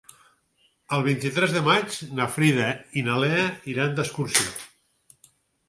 El vint-i-tres de maig na Frida i na Lea iran d'excursió.